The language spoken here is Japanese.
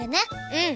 うん。